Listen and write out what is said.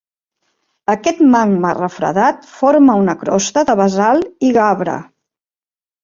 Aquest magma refredat forma una crosta de basalt i gabre.